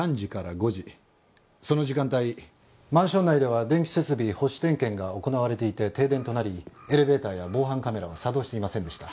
その時間帯マンション内では電気設備保守点検が行われていて停電となりエレベーターや防犯カメラは作動していませんでした。